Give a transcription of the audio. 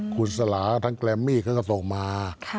คุณสลาทั้งแกรมมี่เขาก็ส่งมา